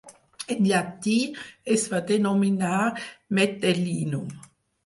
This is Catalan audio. En llatí, es va denominar "Metellinum".